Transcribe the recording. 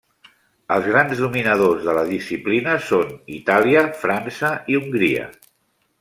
Els grans dominadors de la disciplina són Itàlia, França i Hongria.